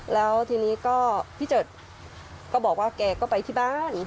แล้วทีนี้ก็พี่เจิดก็บอกว่าแกก็ไปที่บ้าน